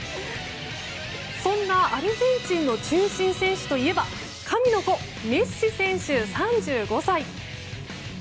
そんなアルゼンチンの中心選手といえば神の子メッシ選手、３５歳。